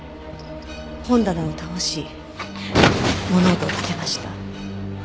本棚を倒し物音を立てました。